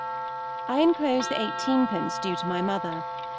I enclose the eighteen pence due to my mother.